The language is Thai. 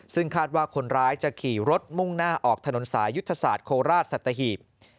ซึ่งคาดว่าคนร้ายจะขี่รถมุ่งหน้าออกถนนสายยุทธศาสตร์โคราชสัตหีบ